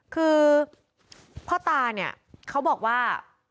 คือพ่อตาเนี่ยเขาบอกว่า